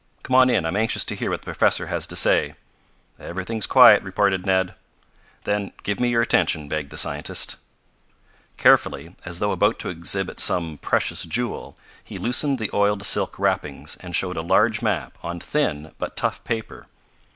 "Come on in. I'm anxious to hear what the professor has to say." "Everything's quiet," reported Ned. "Then give me your attention," begged the scientist. Carefully, as though about to exhibit some, precious jewel, he loosened the oiled silk wrappings and showed a large map, on thin but tough paper.